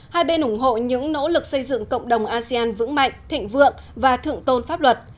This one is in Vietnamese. một mươi ba hai bên ủng hộ những nỗ lực xây dựng cộng đồng asean vững mạnh thịnh vượng và thượng tôn pháp luật